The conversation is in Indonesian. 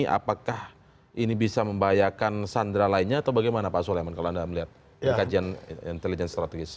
apakah ini bisa membahayakan sandra lainnya atau bagaimana pak soleman kalau anda melihat kajian intelijen strategis